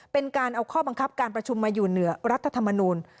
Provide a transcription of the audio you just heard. เป็นการเอาข้อบังคับการประชุมมาอยู่เหนือรัฐธรรมนูล